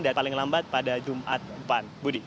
dan paling lambat pada jumat depan